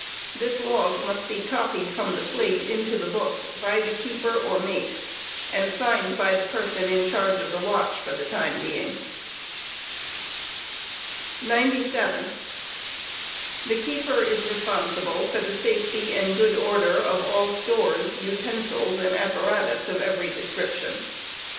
This log must be copied from the slate into the book by the keeper or mate, mmi signed by the person in charge bf the watch for the time being. 97. The keeper is responsible for the safety and good order of all stores, utensils Carouf stores, and apparatus of every description.